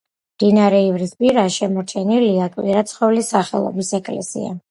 მდინარე ივრის პირას შემორჩენილია კვირაცხოვლის სახელობის ეკლესია.